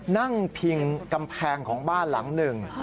นั่งพิงกำแพงของบ้านหลังหนึ่ง